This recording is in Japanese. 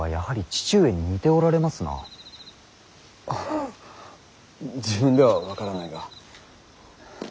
あ自分では分からないが。